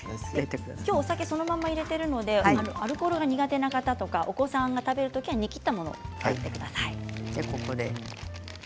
お酒をそのまま入れていますのでアルコールが苦手な方とかお子さんの時には煮きったものを入れてください。